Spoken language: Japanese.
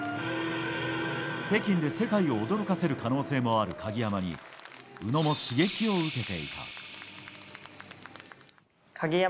北京で世界を驚かせる可能性がある鍵山に宇野も刺激を受けて。